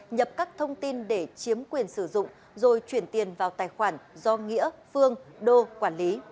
nhập các thông tin để chiếm quyền sử dụng rồi chuyển tiền vào tài khoản do nghĩa phương đô quản lý